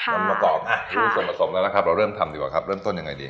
น้ำมันมะกอกนี่ส่วนผสมแล้วนะครับเราเริ่มทำดีกว่าครับเริ่มต้นอย่างไรดี